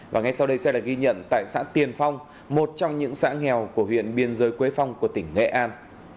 và ngay sau đây sẽ là ghi nhận tại xã tiền phong một trong những xã nghèo của huyện biên giới quế phong của tỉnh nghệ an